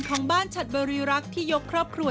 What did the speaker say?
ของบ้านฉัดบริรักษ์ที่ยกครอบครัว